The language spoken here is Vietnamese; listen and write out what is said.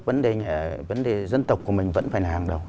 vấn đề dân tộc của mình vẫn phải là hàng đầu